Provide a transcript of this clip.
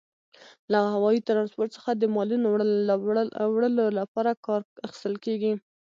له هوايي ترانسپورت څخه د مالونو وړلو لپاره کار اخیستل کیږي.